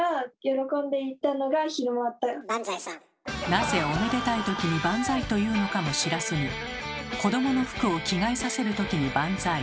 なぜおめでたいときに「バンザイ」と言うのかも知らずに子どもの服を着替えさせるときにバンザイ。